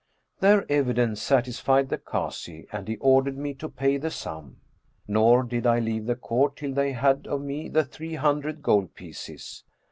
Their evidence satisfied the Kazi and he ordered me to pay the sum, nor did I leave the Court till they had of me the three hundred gold pieces.